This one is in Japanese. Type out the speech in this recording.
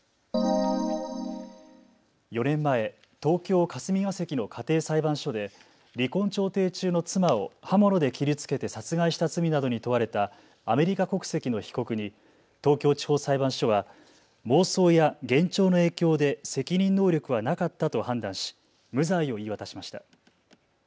４年前、東京霞が関の家庭裁判所で離婚調停中の妻を刃物で切りつけて殺害した罪などに問われたアメリカ国籍の被告に東京地方裁判所は妄想や幻聴の影響で責任能力はなかったと判断し無罪を言い渡しました。